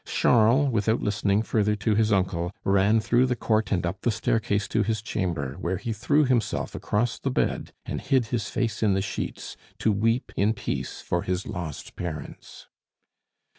Charles, without listening further to his uncle, ran through the court and up the staircase to his chamber, where he threw himself across the bed and hid his face in the sheets, to weep in peace for his lost parents.